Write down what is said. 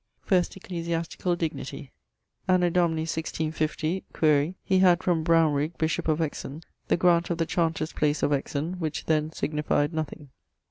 <_First ecclesiastical dignity._> Anno Domini 165 (quaere), he had from B bishop of Exon, the grant of the chantor's place of Exon, which then signified nothing.